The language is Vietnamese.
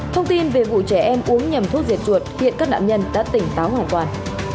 thông tin về vụ trẻ em uống nhầm thuốc diệt chuột hiện các nạn nhân đã tỉnh táo hoàn toàn